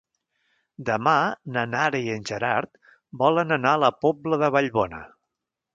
Demà na Nara i en Gerard volen anar a la Pobla de Vallbona.